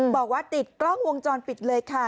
บอกว่าติดกล้องวงจรปิดเลยค่ะ